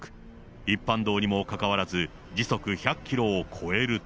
一般道にもかかわらず、時速１００キロを超えると。